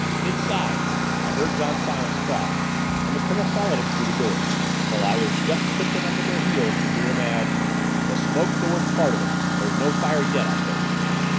"Inside," I heard John Silence cry, and the Colonel followed him through the door, while I was just quick enough at their heels to hear him add, "the smoke's the worst part of it. There's no fire yet, I think."